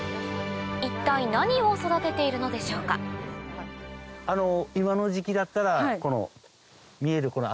一体何を育てているのでしょうか今の時期だったらこの見える。